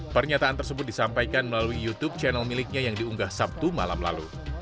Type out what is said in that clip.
pernyataan tersebut disampaikan melalui youtube channel miliknya yang diunggah sabtu malam lalu